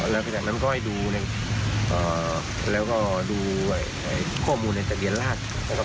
และไว้ดูค่อยค้อมูลในแต่เดียนราศล่ะครับ